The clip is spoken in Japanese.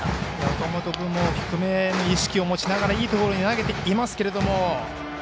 岡本君も低めに意識を持ちながらいいところに投げていますけども。